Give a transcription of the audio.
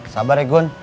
sabar ya gun